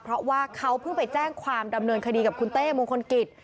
เพราะว่าเขาเพิ่งไปแจ้งความดำเนินคดีกับคุณเต้มงคลกิจ